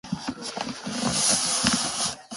Baina astrologia ez da zientzia modernoaren parte.